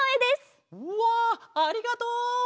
うわありがとう！